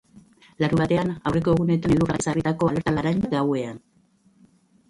Larunbatean, aurreko egunetan elurragatik ezarritako alerta laranja gauean.